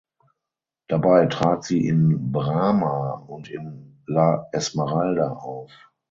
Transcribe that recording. Dabei trat sie in "Brahma" und in "La Esmeralda" auf.